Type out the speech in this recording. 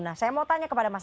nah saya mau tanya kepada mas